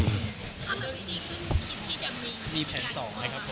คุณคิดที่จะมีแผน๒ไหมครับ